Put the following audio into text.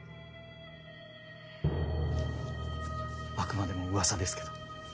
あくまでもうわさですけど。